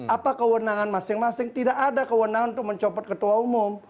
apa kewenangan masing masing tidak ada kewenangan untuk mencopot ketua umum